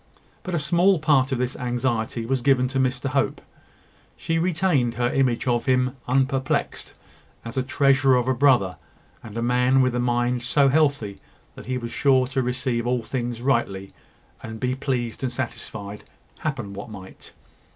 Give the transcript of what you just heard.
But a small part of this anxiety was given to Mr Hope: she retained her image of him unperplexed, as a treasure of a brother, and a man with a mind so healthy that he was sure to receive all things rightly, and be pleased and satisfied, happen what might.